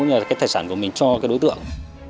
như là cái tài sản của mình cho cái đối tượng